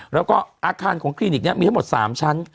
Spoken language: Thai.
แล้วก็อาคารของคลินิกนี้มีทั้งหมด๓ชั้น